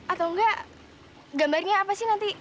atau enggak gambarnya apa sih nanti